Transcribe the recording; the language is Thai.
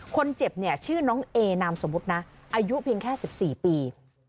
คนเจ็บเนี่ยชื่อน้องเอนามสมมุตินะอายุเพียงแค่๑๔ปี